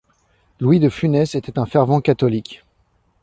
Louis de Funès était un fervent catholique.